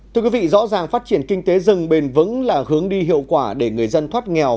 thưa quý vị rõ ràng phát triển kinh tế rừng bền vững là hướng đi hiệu quả để người dân thoát nghèo